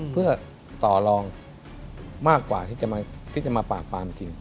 เพื่อต่อลองมากกว่าที่จะมาปราบปรามจริง